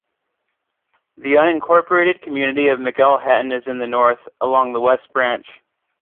The unincorporated community of McElhattan is in the north, along the West Branch.